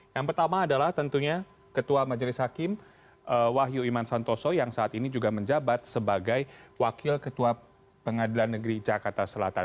yang pertama adalah tentunya ketua majelis hakim wahyu iman santoso yang saat ini juga menjabat sebagai wakil ketua pengadilan negeri jakarta selatan